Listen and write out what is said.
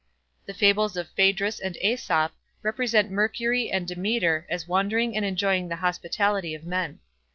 The fables of Phaedrus and Aesop represent Mercury and Demeter as wandering and enjoying the hospitality of men.